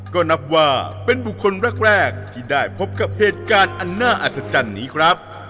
ก็นับว่าเป็นบุคคลแรกที่ได้พบกับเหตุการณ์อันน่าอัศจรรย์นี้ครับ